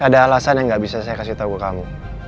ada alasan yang gak bisa saya kasih tahu ke kamu